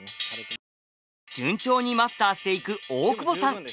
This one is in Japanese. その後順調にマスターしていく大久保さん！